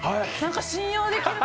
信用できるなと。